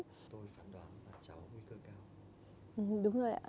tôi phản đoán là cháu nguy cơ cao